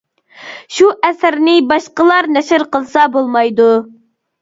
شۇ ئەسەرنى باشقىلار نەشر قىلسا بولمايدۇ.